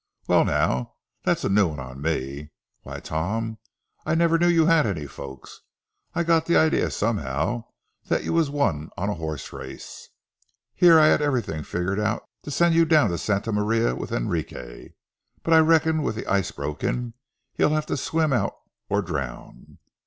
Well, now, that's a new one on me. Why, Tom, I never knew you had any folks; I got the idea, somehow, that you was won on a horse race. Here I had everything figured out to send you down to Santa Maria with Enrique. But I reckon with the ice broken, he'll have to swim out or drown.